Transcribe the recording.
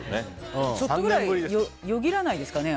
ちょっとぐらいよぎらないですかね。